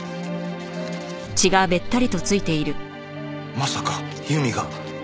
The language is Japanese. まさか由美が？